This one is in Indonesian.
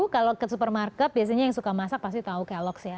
kalau ke supermarket biasanya yang suka masak pasti tahu keloks ya